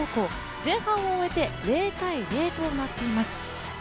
前半を終えて０−０となっています。